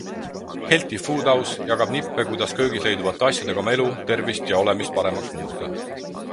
Healthy Food House jagab nippe, kuidas köögis leiduvate asjadega oma elu, tervist ja olemist paremaks muuta.